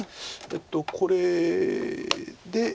これで。